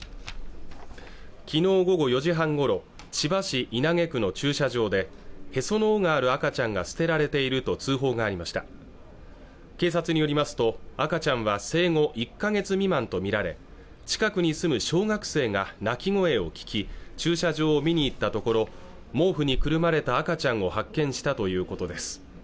昨日午後４時半ごろ千葉市稲毛区の駐車場でへその緒がある赤ちゃんが捨てられていると通報がありました警察によりますと赤ちゃんは生後１か月未満と見られ近くに住む小学生が泣き声を聞き駐車場を見に行ったところ毛布にくるまれた赤ちゃんを発見したということです